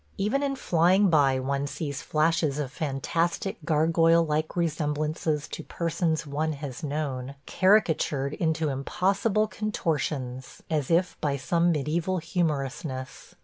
Even in flying by one sees flashes of fantastic gargoyle like resemblances to persons one has known, caricatured into impossible contortions, as if by some mediæval humorousness.